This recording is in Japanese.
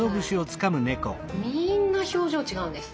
みんな表情違うんです。